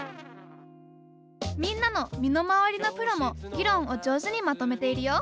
みんなの身の回りのプロも議論を上手にまとめているよ。